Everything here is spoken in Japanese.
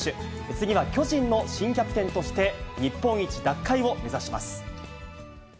次は巨人の新キャプテンとして、日本一奪回を目指します。